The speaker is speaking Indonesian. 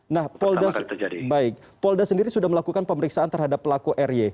nah polda sendiri sudah melakukan pemeriksaan terhadap pelaku r y